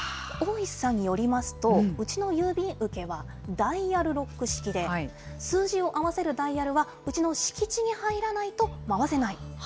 大石さんによりますと、うちの郵便受けはダイヤルロック式で、数字を合わせるダイヤルは、うちの敷地に入らないと回せない。